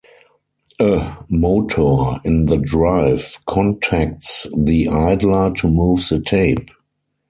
A motor in the drive contacts the idler to move the tape.